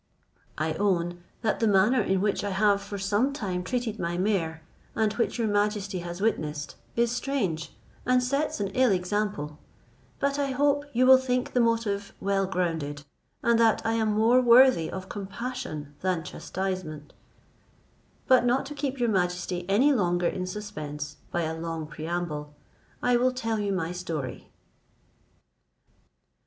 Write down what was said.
I own, that the manner in which I have for some time treated my mare, and which your majesty has witnessed, is strange, and sets an ill example: but I hope you will think the motive well grounded, and that I am more worthy of compassion than chastisement: but not to keep your majesty any longer in suspense by a long preamble, I will tell you my story."